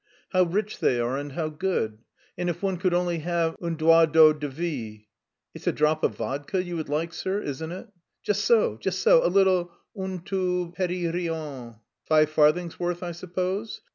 "How rich they are and how good! And if one could only have un doigt d'eau de vie." "It's a drop of vodka you would like, sir, isn't it?" "Just so, just so, a little, un tout petit rien." "Five farthings' worth, I suppose?"